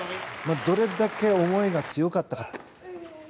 どれだけ思いが強かったか。